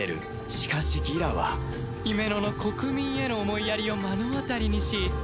しかしギラはヒメノの国民への思いやりを目の当たりにし仲間に誘う